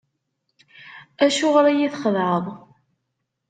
Acuɣer i yi-txedɛeḍ?